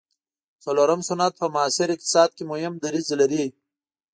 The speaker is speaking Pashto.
څلورم صنعت په معاصر اقتصاد کې مهم دریځ لري.